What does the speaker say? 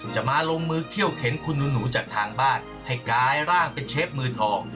จะมาลงมือเขี้ยวเข็นคุณหนูจากทางบ้านให้กลายร่างเป็นเชฟมือทอง